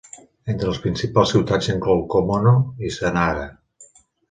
Entre les principals ciutats s'inclou Komono i Zanaga.